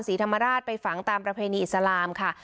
ศรีธรรมราชไปฝังตามประเพณีอิสลามค่ะ